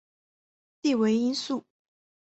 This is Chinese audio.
弟为应傃。